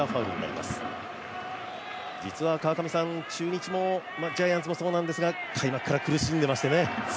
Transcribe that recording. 実は中日もジャイアンツもそうなんですが開幕から苦しんでいましたよね。